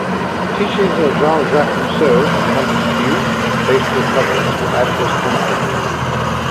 The teachings of Jean-Jacques Rousseau and Montesquieu based republics were added as content.